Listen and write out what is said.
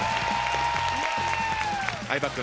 相葉君。